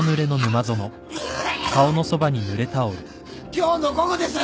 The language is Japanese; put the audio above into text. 今日の午後です！